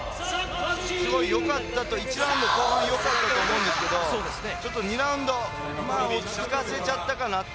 すごい１ラウンドの後半は良かったんですけどちょっと２ラウンド落ち着かせちゃったかなと。